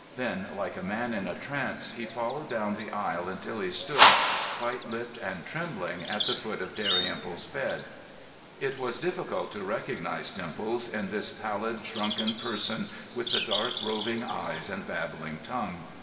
Then, like a man in a trance, he followed down the aisle until he stood, white lipped and trembling, at the foot of Dalrymple's bed. It was difficult to recognize Dimples in this pallid, shrunken person with the dark, roving eyes and babbling tongue.